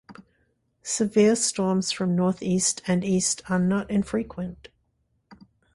Severe storms from northeast and east are not infrequent.